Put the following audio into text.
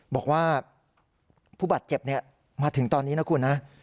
บอกว่าผู้บาดเจ็บมาถึงตอนนี้นะคุณนะ